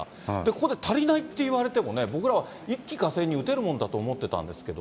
ここで足りないって言われてもね、僕らは一気かせいに打てるものだと思ってたんですけど。